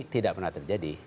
tidak pernah terjadi